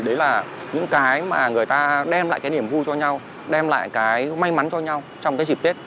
đấy là những cái mà người ta đem lại cái niềm vui cho nhau đem lại cái may mắn cho nhau trong cái dịp tết